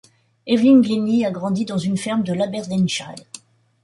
Evelyn Glennie a grandi dans une ferme de l'Aberdeenshire.